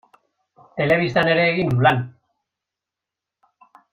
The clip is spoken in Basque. Telebistan ere egin du lan.